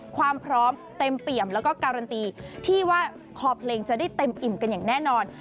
ความพร้อมเต็มเปี่ยมแล้วก็การันตีที่ว่าคอเพลงจะได้เต็มอิ่มกันอย่างแน่นอน